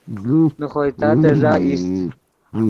نے خوئے تاتن ݱا ایست